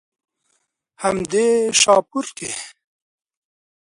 هم دې شاهپور کښې